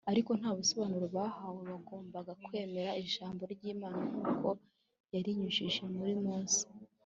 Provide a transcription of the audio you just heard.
. Ariko nta busobanuro bahawe. Bagombaga kwemera ijambo ry’Imana nkuko yarinyujije muri Mose